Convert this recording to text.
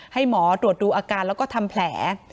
ให้หมอตรวจดูอาการแล้วก็ทำแผล